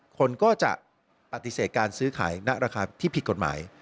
คนก็จะปฏิเสธการซื้อขายณราคาที่ผิดกฎหมาย